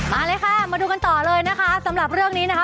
มาเลยค่ะมาดูกันต่อเลยนะคะสำหรับเรื่องนี้นะคะ